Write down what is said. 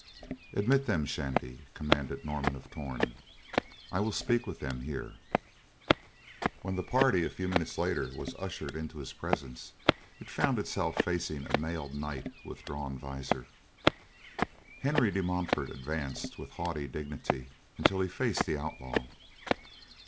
"Admit them, Shandy," commanded Norman of Torn, "I will speak with them here." When the party, a few moments later, was ushered into his presence it found itself facing a mailed knight with drawn visor. Henry de Montfort advanced with haughty dignity until he faced the outlaw.